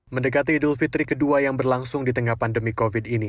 mendekati idul fitri ke dua yang berlangsung di tengah pandemi covid sembilan belas ini